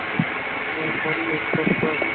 হ্যাঁ, ফোন করতাম।